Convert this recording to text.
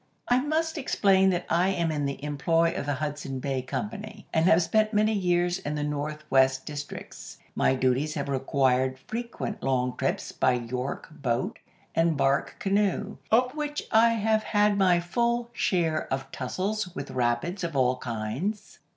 "I must explain that I am in the employ of the Hudson Bay Company, and have spent many years in the North west districts. My duties have required frequent long trips by York boat and bark canoe, in the course of which I have had my full share of tussles with rapids of all kinds.